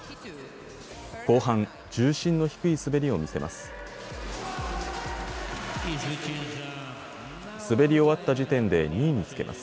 後半、重心の低い滑りを見せます。